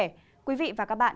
xin chào tạm biệt và hẹn gặp lại